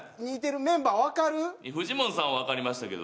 フジモンさんはわかりましたけど。